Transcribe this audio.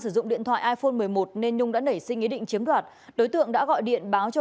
sử dụng điện thoại iphone một mươi một nên nhung đã nảy sinh ý định chiếm đoạt đối tượng đã gọi điện báo cho